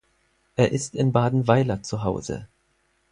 Er ist in Badenweiler zu Hause.